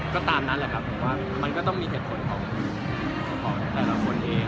ก็ตามนั้นแหละครับผมว่ามันก็ต้องมีเหตุผลของแต่ละคนเอง